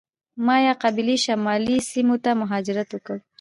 مایا قبیلې شمالي سیمو ته مهاجرت وکړ.